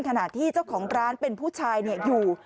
ขณะที่เจ้าของร้านเป็นผู้ชายอยู่